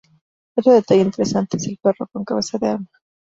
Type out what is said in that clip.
Otro detalle interesante es el perro con cabeza de arma.